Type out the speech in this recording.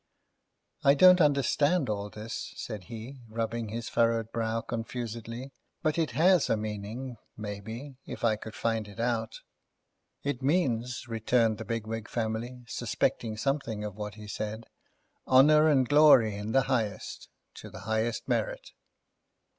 "I don't understand all this," said he, rubbing his furrowed brow confusedly. "But it has a meaning, maybe, if I could find it out." "It means," returned the Bigwig family, suspecting something of what he said, "honour and glory in the highest, to the highest merit."